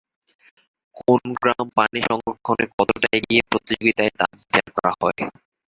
কোন গ্রাম পানি সংরক্ষণে কতটা এগিয়ে, প্রতিযোগিতায় তা বিচার করা হয়।